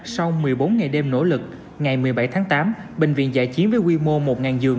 sau một mươi bốn ngày đêm nỗ lực ngày một mươi bảy tháng tám bệnh viện giải chiến với quy mô một giường